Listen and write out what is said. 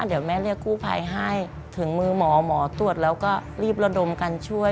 เดี๋ยวแม่เรียกกู้ภัยให้ถึงมือหมอหมอตรวจแล้วก็รีบระดมกันช่วย